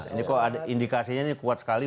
ini kok ada indikasinya kuat sekali